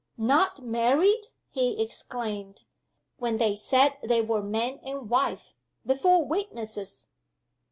"Not married!" he exclaimed, "when they said they were man and wife, before witnesses?"